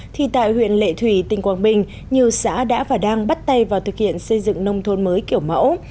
thì tại huyện lệ thủy tỉnh quảng bình nhiều xã đã và đang bắt tay vào thực hiện xây dựng nông thôn mới kiểu mẫu